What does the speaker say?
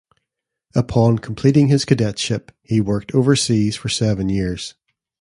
Upon completing his cadetship, he worked overseas for seven years.